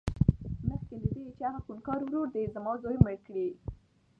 مخکې له دې چې هغه خونکار ورور دې زما زوى مړ کړي.